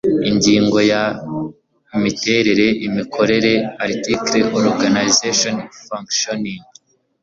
Ingingo ya Imiterere imikorere Artcle Organization functioning